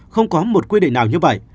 không có một quy định nào như vậy